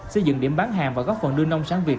xây dựng điểm bán hàng và góp phần đưa nông sản việt